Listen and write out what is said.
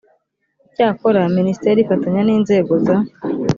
icyakora minisiteri ifatanya n inzego za